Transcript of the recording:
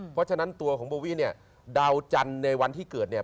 เพราะฉะนั้นตัวของโบวี่เนี่ยดาวจันทร์ในวันที่เกิดเนี่ย